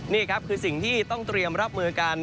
นี่ครับคือสิ่งที่ต้องเตรียมรับมือกัน